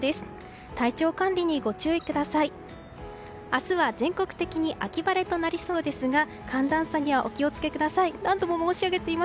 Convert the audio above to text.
明日は全国的に秋晴れとなりそうですが寒暖差にはお気を付けください。